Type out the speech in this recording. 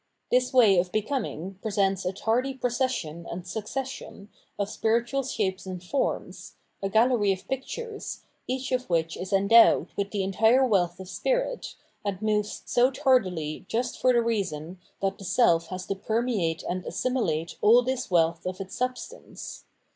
This way of becoming presents a tardy procession and succession of spiritual shapes and forms, a gallery of pictures, each of which is endowed with the entire wealth of Spirit, and moves so tardUy just for the reason that the self has to permeate and assimilate all this wealth of its substance.